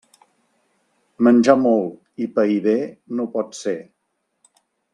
Menjar molt i pair bé no pot ser.